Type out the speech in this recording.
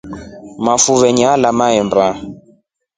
Mafuve nyalya mahemba.